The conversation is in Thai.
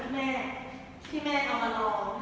ให้กองยากให้แม่ออกมาช่วย